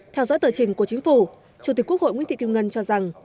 theo dõi tờ trình của chính phủ chủ tịch quốc hội nguyễn thị kim ngân cho rằng